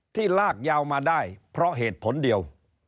ที่ลากยาวมาได้เพราะเหตุผลเดียว